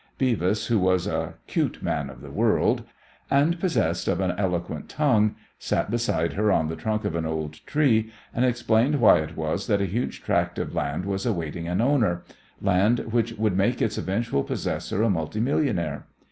Beavis, who was a cute man of the world, and possessed of an eloquent tongue, sat beside her on the trunk of an old tree, and explained why it was that a huge tract of land was awaiting an owner, land which would make its eventual possessor a multi millionaire.